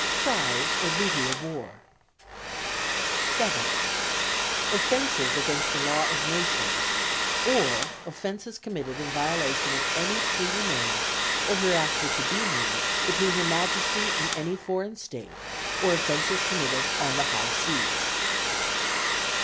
Prize or booty of war; "(7.) Offences against the law of nations; or offences committed in violation of any treaty made, or hereafter to be made, between Her Majesty and any foreign State; or offences committed on the high seas; "(8.)